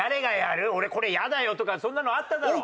「俺これイヤだよ」とかそんなのあっただろ？